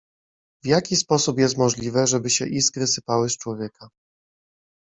w jaki sposób jest możliwe, żeby się iskry sypały z człowieka.